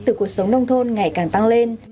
từ cuộc sống nông thôn ngày càng tăng lên